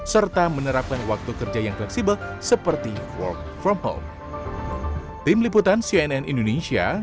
serta menerapkan waktu kerja yang fleksibel seperti work from home